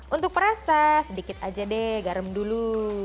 untuk perasa sedikit aja deh garam dulu